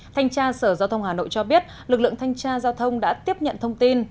thanh tra sở giao thông hà nội cho biết lực lượng thanh tra giao thông đã tiếp nhận thông tin